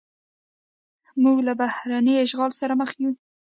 موږ له بهرني اشغال سره مخ یو.